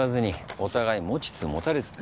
お互い持ちつ持たれつで。